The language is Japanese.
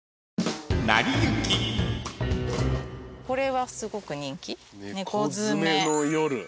これはすごく人気。